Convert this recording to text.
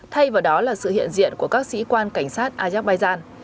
thay vào đó là sự hiện diện của các sĩ quan cảnh sát azerbaijan